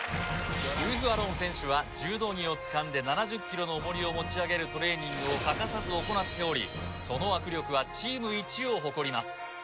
ウルフアロン選手は柔道着をつかんで７０ｋｇの重りを持ち上げるトレーニングを欠かさず行っておりその握力はチーム１を誇ります